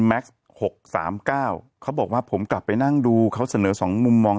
แม็กซ์หกสามเก้าเขาบอกว่าผมกลับไปนั่งดูเขาเสนอสองมุมมอง